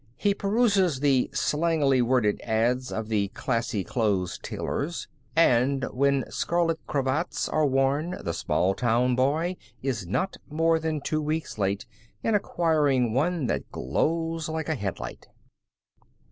He peruses the slangily worded ads of the "classy clothes" tailors, and when scarlet cravats are worn the small town boy is not more than two weeks late in acquiring one that glows like a headlight.